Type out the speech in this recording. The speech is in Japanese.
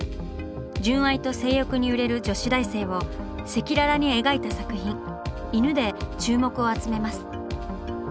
純愛と性欲に揺れる女子大生を赤裸々に描いた作品「いぬ」で注目を集めます。